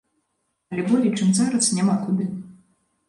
Але болей, чым зараз, няма куды.